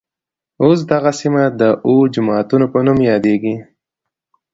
اوس دغه سیمه د اوه جوماتونوپه نوم يادېږي.